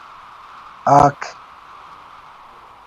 آک